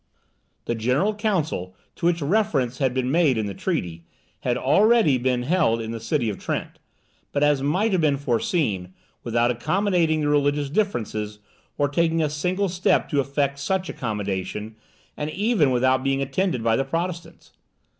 The General Council, to which reference had been made in the treaty, had already been held in the city of Trent; but, as might have been foreseen, without accommodating the religious differences, or taking a single step to effect such accommodation, and even without being attended by the Protestants.